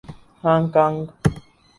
Hong Kong